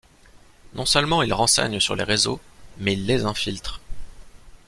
Non seulement ils renseignent sur les réseaux mais ils les infiltrent.